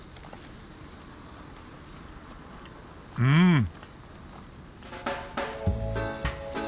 うん！